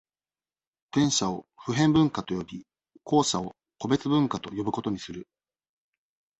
前者を、普遍文化と呼び、後者を、個別文化と呼ぶことにする。